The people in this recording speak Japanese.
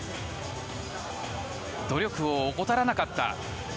努力を怠らなかった。